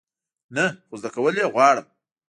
نه، خو زده کول یی غواړم